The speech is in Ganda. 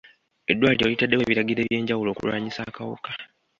Eddwaliro litaddewo ebiragiro eby'enjawulo okulwanyisa akawuka.